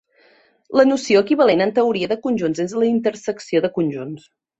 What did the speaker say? La noció equivalent en teoria de conjunts és la intersecció de conjunts.